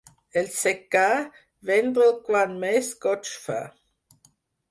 El secà, vendre'l quan més goig fa.